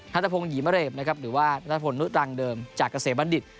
นัฏภพงษ์หญิมระเร็บนะครับหรือว่านัฏภพงษ์นุษย์รังเดิมจากเกษตรบัณฑิษฐ์